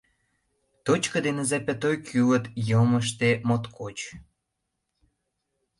Точко дене запятой кӱлыт йылмыште моткоч.